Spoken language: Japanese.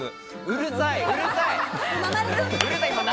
うるさい！